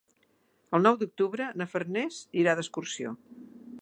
El nou d'octubre na Farners irà d'excursió.